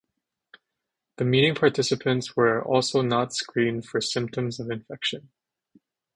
The meeting participants were also not screened for symptoms of infection.